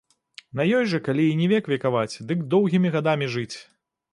На ёй жа калі і не век векаваць, дык доўгімі гадамі жыць!